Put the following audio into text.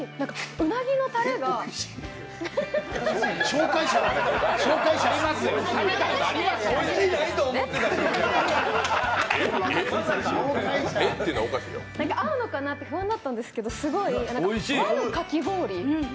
うなぎのたれがえ、紹介者が合うのかなって不安だったんですけど、和のかき氷。